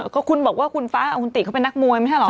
ก็คุณบอกว่าคุณฟ้าเอาคุณติเขาเป็นนักมวยไม่ใช่เหรอ